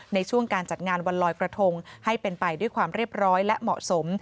ในช่วงการจัดงานวันลอยกระทงให้เป็นไปด้วยความเรียบร้อยและเหมาะสม